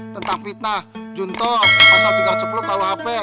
tentang fitnah junto pasal tiga ratus sepuluh kuhp